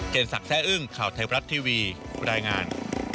เจนศักดิ์แซ่อึ้งข่าวไทยบรัฐทีวีบรรยายงาน